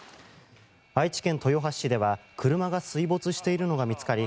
愛知県豊橋市では車が水没しているのが見つかり